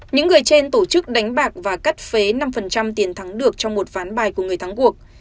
những người trên tổ chức đánh bạc và cắt phế năm tiền thắng được trong một ván bài của người thắng cuộc